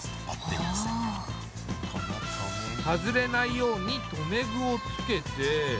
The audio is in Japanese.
外れないように留め具をつけて。